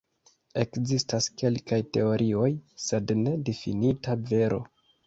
Ekzistas kelkaj teorioj, sed ne definitiva vero.